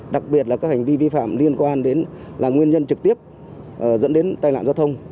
đặc biệt là các hành vi vi phạm liên quan đến là nguyên nhân trực tiếp dẫn đến tai nạn giao thông